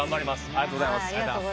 ありがとうございます。